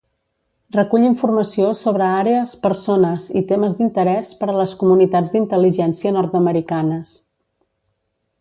Recull informació sobre àrees, persones i temes d'interès per a les comunitats d'intel·ligència nord-americanes.